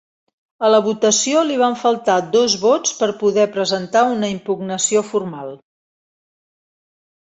A la votació li van faltar dos vots per poder presentar una impugnació formal.